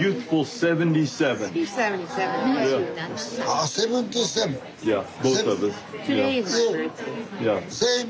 あセブンティーセブン？